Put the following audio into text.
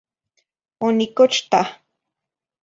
Onicochtah